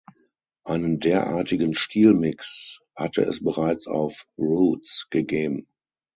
Einen derartigen Stilmix hatte es bereits auf "Roots" gegeben.